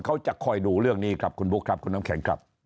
เขาจะคอยดูเรื่องนี้ครับคุณบุ๊คครับคุณน้ำแข็งครับ